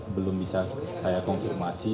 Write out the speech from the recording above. belum bisa saya konfirmasi